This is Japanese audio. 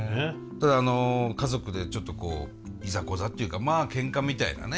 ただあの家族でちょっといざこざっていうかまあけんかみたいなね